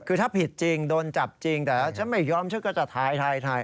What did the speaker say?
คือถ้าผิดจริงโดนจับจริงแต่ฉันไม่ยอมฉันก็จะถ่าย